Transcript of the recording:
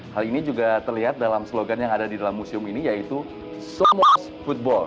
hal ini juga terlihat dalam slogan yang ada di dalam museum ini yaitu somos football